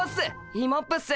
イモップっす。